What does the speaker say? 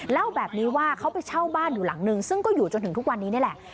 เล่าแบบนี้ว่าเขาไปเช่าบ้านอยู่หลังนึงซึ่งก็อยู่จนถึงทุกวันนี้นี่แหละ